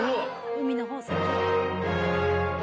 海の宝石。